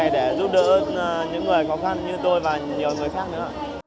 để giúp đỡ những người khó khăn như tôi và nhiều người khác nữa